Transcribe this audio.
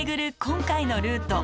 今回のルート。